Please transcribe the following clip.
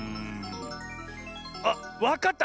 あっわかった！